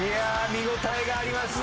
見応えがありました。